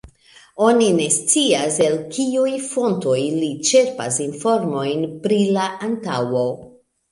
Oni ne scias el kiuj fontoj li ĉerpas informojn pri la antaŭo.